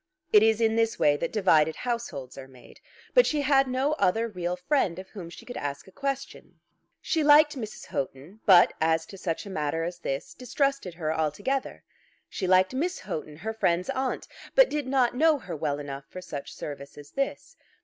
It is in this way that divided households are made. But she had no other real friend of whom she could ask a question. She liked Mrs. Houghton, but, as to such a matter as this, distrusted her altogether. She liked Miss Houghton, her friend's aunt, but did not know her well enough for such service as this.